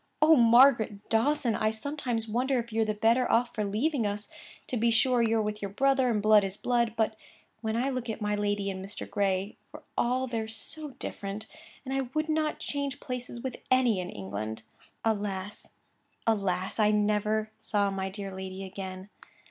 'Oh, Margaret Dawson! I sometimes wonder if you're the better off for leaving us. To be sure you're with your brother, and blood is blood. But when I look at my lady and Mr. Gray, for all they're so different, I would not change places with any in England.' Alas! alas! I never saw my dear lady again.